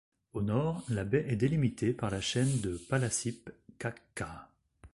Au nord, la baie est délimitée par la chaîne de Palasip Qaqqaa.